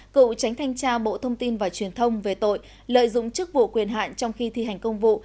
cựu tránh thanh tra bộ thông tin và truyền thông về tội lợi dụng chức vụ quyền hạn trong khi thi hành công vụ